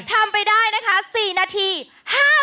ทำไปได้นะคะ๔นาที๕๗วินาทีค่ะ